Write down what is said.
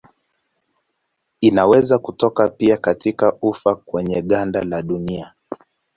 Inaweza kutoka pia katika ufa kwenye ganda la dunia.